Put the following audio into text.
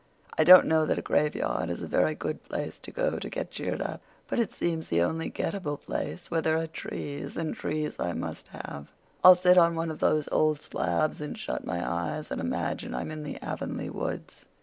"I don't know that a graveyard is a very good place to go to get cheered up, but it seems the only get at able place where there are trees, and trees I must have. I'll sit on one of those old slabs and shut my eyes and imagine I'm in the Avonlea woods."